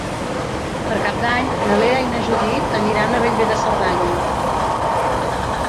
Per Cap d'Any na Lea i na Judit aniran a Bellver de Cerdanya.